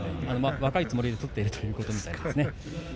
若いつもりで相撲を取っているということみたいです。